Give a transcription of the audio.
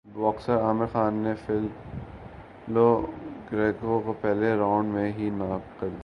boxer Amir Khan نے Phil Lo Greco کو پہلےرانڈ میں ہی ناک کر دیا